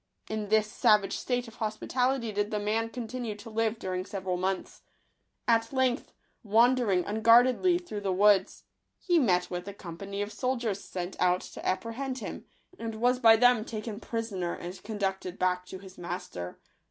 In this savage state of hospitality did the man continue to live during several months. At length, wandering unguardedly through the woods, he met with a company of soldiers sent out to apprehend him, and was by them taken prisoner and conducted back to his master.